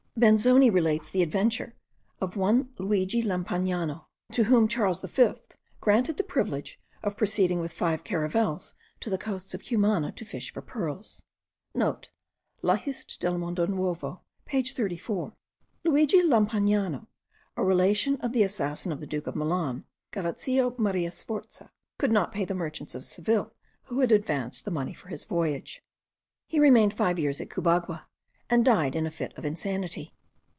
Benzoni* relates the adventure of one Luigi Lampagnano, to whom Charles the Fifth granted the privilege of proceeding with five caravels to the coasts of Cumana to fish for pearls. (* La Hist. del Mondo Nuovo page 34. Luigi Lampagnano, a relation of the assassin of the Duke of Milan, Galeazzo Maria Sforza, could not pay the merchants of Seville who had advanced the money for his voyage; he remained five years at Cubagua, and died in a fit of insanity.)